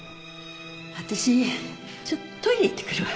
私ちょっとトイレ行ってくるわ。